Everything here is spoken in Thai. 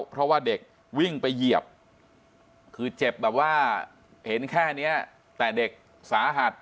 เพราะว่าเด็กวิ่งไปเหยียบคือเจ็บแบบว่าเห็นแค่นี้แต่เด็กสาหัส